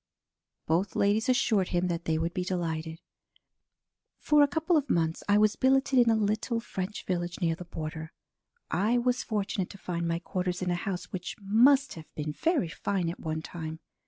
Both ladies assured him that they would be delighted. "For a couple of months I was billeted in a little French village near the border. I was fortunate to find my quarters in a house which must have been very fine at one time.